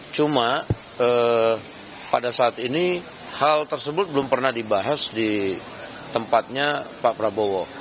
cuma pada saat ini hal tersebut belum pernah dibahas di tempatnya pak prabowo